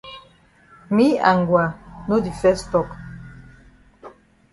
Me and Ngwa no di fes tok.